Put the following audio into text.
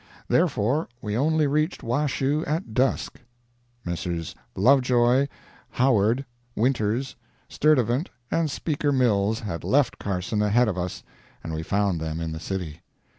Therefore we only reached Washoe at dusk. Messrs. Lovejoy, Howard, Winters, Sturtevant, and Speaker Mills had left Carson ahead of us, and we found them in the city.